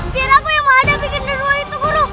biar aku yang menghadapi gender war itu guru